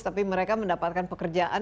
tapi mereka mendapatkan pekerjaan